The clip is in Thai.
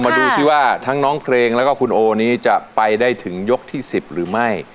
ดูสิว่าทั้งน้องเพลงแล้วก็คุณโอนี้จะไปได้ถึงยกที่๑๐หรือไม่